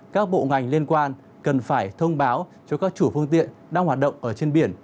các bộ ngành liên quan cần phải thông báo cho các chủ phương tiện đang hoạt động ở trên biển